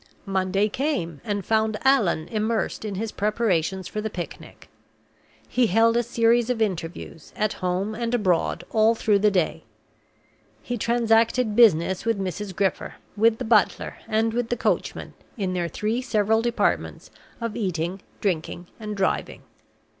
Monday came, and found Allan immersed in his preparations for the picnic. He held a series of interviews, at home and abroad, all through the day. He transacted business with Mrs. Gripper, with the butler, and with the coachman, in their three several departments of eating, drinking, and driving.